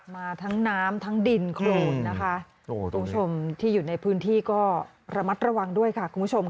มาทั้งน้ำทั้งดินครูนนะฮะกลุ่มชมที่อยู่ในพื้นที่ก็ระมัดระวังด้วยค่ะ